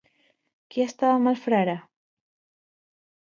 Qui estava amb el frare?